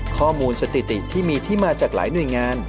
สถิติที่มีที่มาจากหลายหน่วยงาน